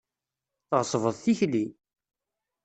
Tɣeṣbeḍ tikli!